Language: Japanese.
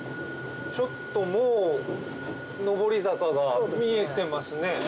ちょっともう上り坂が見えてますね。